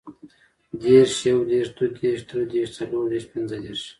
دېرش, یودېرش, دودېرش, دریدېرش, څلوردېرش, پنځهدېرش